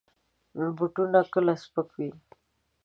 بوټونه کله سپک وي.